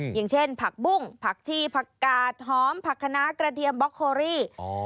อย่างเช่นผักบุ้งผักชีผักกาดหอมผักคณะกระเทียมบ็อกโครี่